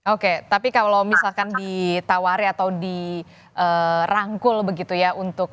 oke tapi kalau misalkan ditawari atau dirangkul begitu ya